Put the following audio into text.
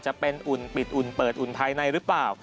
จะเป็นอุ่นปิดอุ่นเปิดอุ่นภายในหรือเปล่า